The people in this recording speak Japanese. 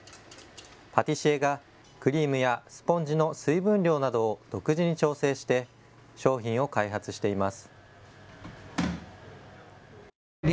パティシエがクリームやスポンジの水分量などを独自に調整して商品を開発しています。